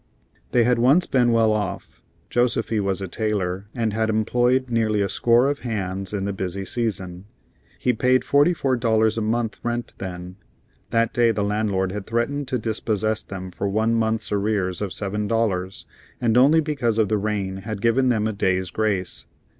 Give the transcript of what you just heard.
They had once been well off. Josefy was a tailor, and had employed nearly a score of hands in the busy season. He paid forty four dollars a month rent then. That day the landlord had threatened to dispossess them for one month's arrears of seven dollars, and only because of the rain had given them a day's grace.